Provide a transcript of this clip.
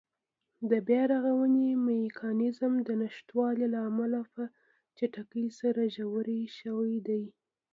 د بیا رغونې میکانېزم د نشتوالي له امله په چټکۍ سره ژورې شوې دي.